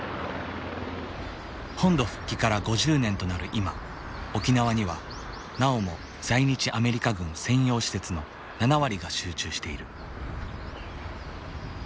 本土復帰から５０年となる今沖縄にはなおも在日アメリカ軍専用施設の７割が集中している。